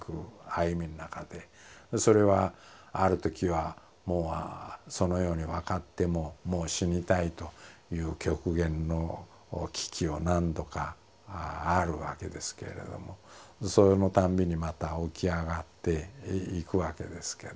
それはあるときはもうそのように分かってももう死にたいという極限の危機を何度かあるわけですけれどもそのたんびにまた起き上がっていくわけですけれども。